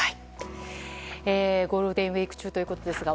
ゴールデンウィーク中ということですが